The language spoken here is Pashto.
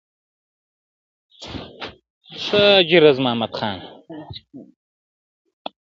o چي نه یې ګټه نه زیان رسېږي..